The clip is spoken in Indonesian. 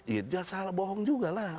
itu salah bohong juga lah